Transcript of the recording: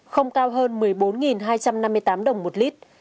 không cao hơn một mươi bốn hai trăm năm mươi tám đồng một lít